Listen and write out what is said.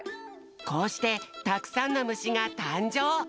こうしてたくさんのむしがたんじょう！